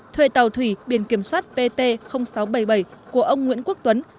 thuê tàu thủy biển kiểm soát pt sáu trăm bảy mươi bảy của ông nguyễn quốc tuấn